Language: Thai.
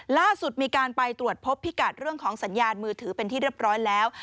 ล่าสุดมีการไปตรวจพบพิกัดเรื่องของสัญญาณมือถือเป็นที่เรียบร้อยแล้ว